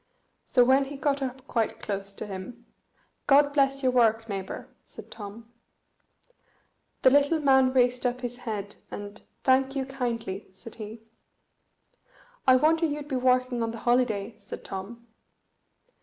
So when he got up quite close to him, "God bless your work, neighbour," said Tom. The little man raised up his head, and "Thank you kindly," said he. "I wonder you'd be working on the holiday!" said Tom.